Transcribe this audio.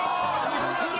うっすら。